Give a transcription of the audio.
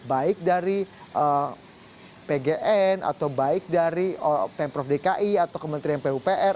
baik dari pgn atau baik dari pemprov dki atau kementerian pupr